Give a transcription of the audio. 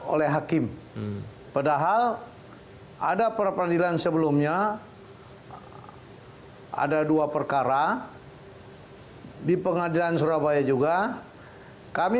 oleh hakim padahal ada peradilan sebelumnya ada dua perkara di pengadilan surabaya juga kami